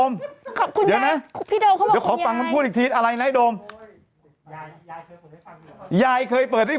พูดถึงทางแอดโดมสิโดมเคยได้ยินไหม